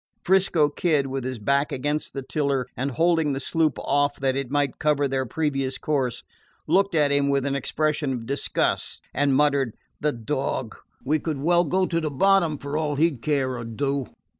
'Frisco Kid, with his back against the tiller and holding the sloop off that it might cover their previous course, looked at him with an expression of disgust, and muttered: "The dog! We could well go to the bottom, for all he 'd care or do!"